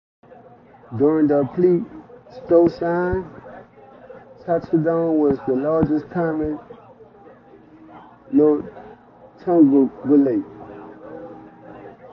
During the Pleistocene, "Toxodon" was the largest common notoungulate.